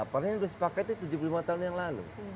palingan sudah sepaket tujuh puluh lima tahun yang lalu